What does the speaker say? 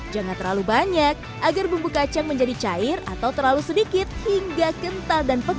jangan terlalu banyak agar bumbu kacang menjadi cair atau terlalu sedikit hingga kental dan pekat